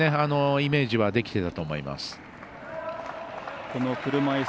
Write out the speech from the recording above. イメージはできてたと思います。